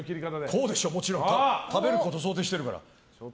こうでしょ、もちろん食べること想定してるから。